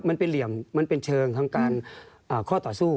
เหลี่ยมมันเป็นเชิงทางการข้อต่อสู้